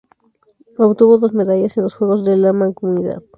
Obtuvo dos medallas en los Juegos de la Mancomunidad.